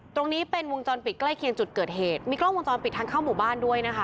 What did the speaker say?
ตรงนี้เป็นวงจรปิดใกล้เคียงจุดเกิดเหตุมีกล้องวงจรปิดทางเข้าหมู่บ้านด้วยนะคะ